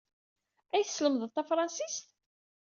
Ad iyi-teslemded tafṛensist?